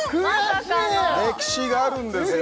悔しい歴史があるんですよ